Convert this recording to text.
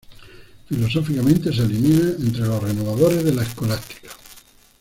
Filosóficamente se alinea entre los renovadores de la Escolástica.